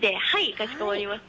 かしこまりました。